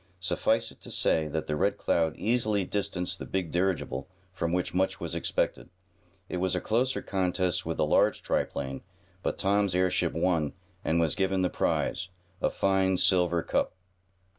Suffice it to say that the Red Cloud easily distanced the big dirigible from which much was expected. It was a closer contest with the large triplane, but Tom's airship won, and was given the prize, a fine silver cup.